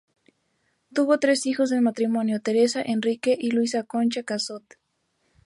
Tuvo tres hijos del matrimonio, Teresa, Enrique y Luisa Concha Cazotte.